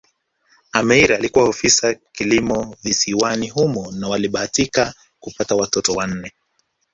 Ameir alikuwa ofisa kilimo visiwani humo na walibahatika kupata watoto wanne